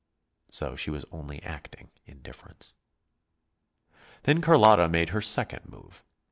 So she was only acting indifference! Then Carlotta made her second move.